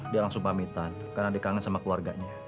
dia langsung pamitan karena dikangen sama keluarganya